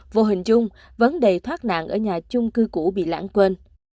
vô hình chung vấn đề thoát nạn ở nhà chung cư cũ bị lãng quên